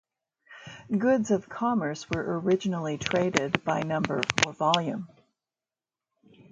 Goods of commerce were originally traded by number or volume.